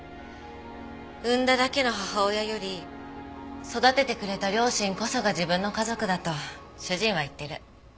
産んだだけの母親より育ててくれた両親こそが自分の家族だと主人は言ってる。